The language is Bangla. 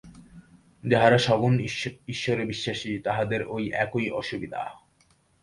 যাঁহারা সগুণ ঈশ্বরে বিশ্বাসী, তাঁহাদের ঐ একই অসুবিধা।